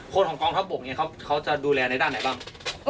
คนของกองทัพบกเนี่ยเขาจะดูแลในด้านไหนบ้าง